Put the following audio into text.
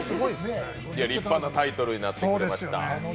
立派なタイトルになってきました。